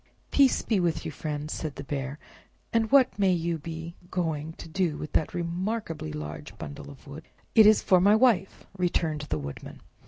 "Peace be with you, friend," said the Bear, "and what may you be going to do with that remarkably large bundle of wood?" "It is for my Wife," returned the Woodman.